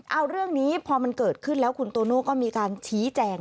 เอาเรื่องนี้พอมันเกิดขึ้นแล้วคุณโตโน่ก็มีการชี้แจง